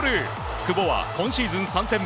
久保は今シーズン３点目。